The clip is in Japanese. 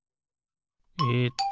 えっと